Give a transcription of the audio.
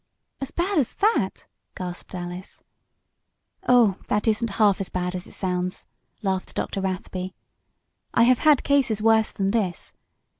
"As bad as that?" gasped Alice. "Oh, that isn't half as bad as it sounds!" laughed Dr. Rathby. "I have had cases worse than this.